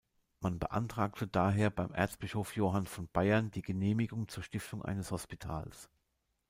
Man beantragte daher beim Erzbischof Johann von Bayern die Genehmigung zur Stiftung eines Hospitals.